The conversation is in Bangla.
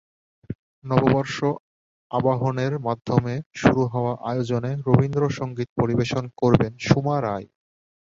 নববর্ষ আবাহনের মাধ্যমে শুরু হওয়া আয়োজনে রবীন্দ্রসংগীত পরিবেশন করবেন সুমা রায়।